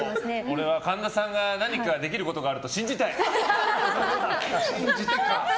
俺は神田さんが何かできることがあると信じたい。